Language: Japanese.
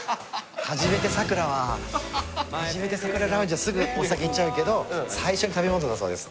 初めてサクラは初めてサクララウンジはすぐお酒いっちゃうけど最初に食べ物だそうです。